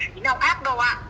còn ngoài ra